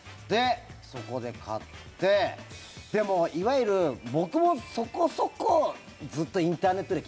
そこで買ってでも、いわゆる僕もそこそこずっとインターネット歴